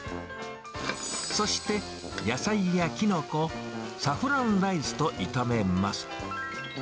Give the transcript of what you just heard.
そして、野菜やきのこをサフランライスと炒めます。